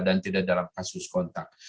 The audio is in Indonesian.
dan tidak dalam kasus kontak